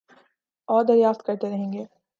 اوردریافت کرتے رہیں گے